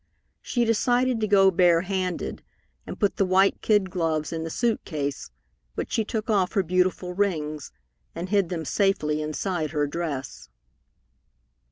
She decided to go barehanded, and put the white kid gloves in the suit case, but she took off her beautiful rings, and hid them safely inside her dress.